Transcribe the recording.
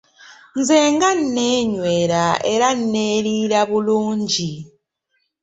Nze nga neenywera era neeriira bulungi?